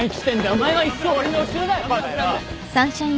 お前は一生俺の後ろだ。